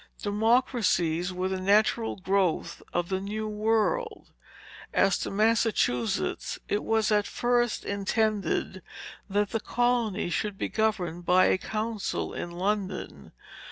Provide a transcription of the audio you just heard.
Democracies were the natural growth of the new world. As to Massachusetts, it was at first intended that the colony should be governed by a council in London.